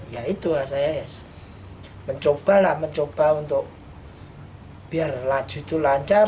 ya itu lah saya mencobalah mencoba untuk biar laju itu lancar